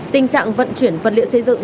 tình trạng vận chuyển vật liệu xây dựng